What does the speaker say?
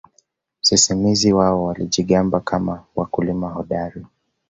Sisimizi wao walijigamba kama wakulima hodari